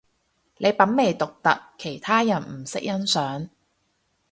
你品味獨特，其他人唔識欣賞